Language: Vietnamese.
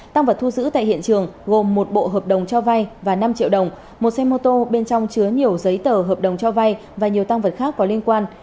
tăng vật thu giữ tại hiện trường gồm một bộ hợp đồng cho vay và năm triệu đồng một xe mô tô bên trong chứa nhiều giấy tờ hợp đồng cho vay và nhiều tăng vật khác có liên quan